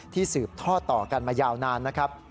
สืบท่อต่อกันมายาวนานนะครับ